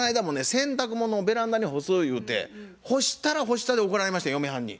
洗濯物をベランダに干すゆうて干したら干したで怒られました嫁はんに。